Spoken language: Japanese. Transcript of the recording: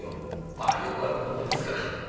まあよくある事ですから。